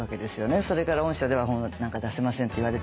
それから「御社では本は出せません」って言われたりとか。